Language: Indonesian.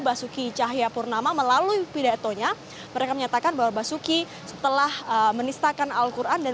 basuki c purnama melalui pidatonya mereka menyatakan bahwa basuki setelah menistakan al quran